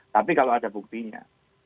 tapi kalau ada buktinya